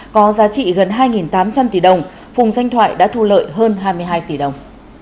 có giá trị gần hai tám trăm linh tỷ đồng phùng danh thoại đã thu lợi hơn hai mươi hai tỷ đồng